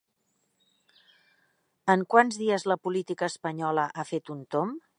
En quants dies la política espanyola ha fet un tomb?